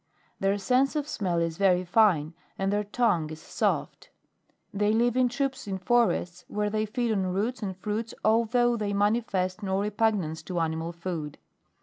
Their sense of smell is very fine, and their tongue is soft. They live in troops in forests, where they feed on roots and fruits although, they manifest no repugnance to animal food.